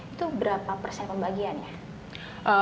itu berapa persen pembagiannya